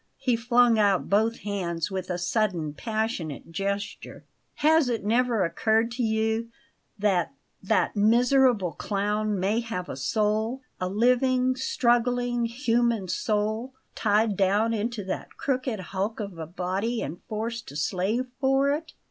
He flung out both hands with a sudden, passionate gesture. "Has it never occurred to you that that miserable clown may have a soul a living, struggling, human soul, tied down into that crooked hulk of a body and forced to slave for it?